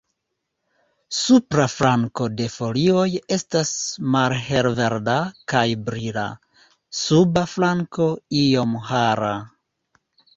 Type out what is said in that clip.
Supra flanko de folioj estas malhelverda kaj brila, suba flanko iom hara.